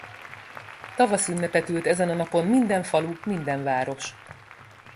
Tavaszünnepet ült ezen a napon minden falu, minden város.